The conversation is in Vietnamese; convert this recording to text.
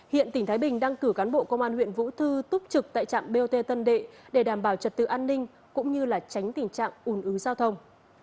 hiện tỉnh thái bình đang cử cán bộ công an huyện vũ thư túc trực tại trạm bot tân đệ để đảm bảo trật tự an ninh cũng như là tránh tình trạng ủn ứ giao thông